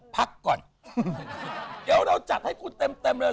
พักก่อนเดี๋ยวเราจัดให้คุณเต็มเต็มเลย